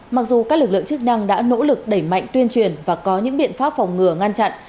mặc dù các lực lượng chức năng đã nỗ lực đẩy mạnh tuyên truyền và có những biện pháp phòng ngừa ngăn chặn